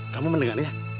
kamu mendengar ya